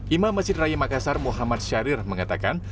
imam masjid raya makassar muhammad syarir mengatakan